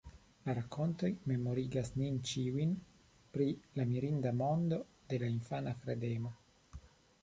La rakontoj memorigas nin ĉiujn pri la mirinda mondo de la infana kredemo.